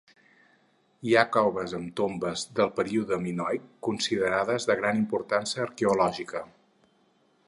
Hi ha coves amb tombes del període minoic, considerades de gran importància arqueològica.